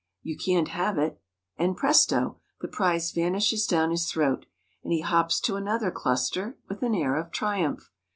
You can't have it," and presto! the prize vanishes down his throat, and he hops to another cluster with an air of triumph.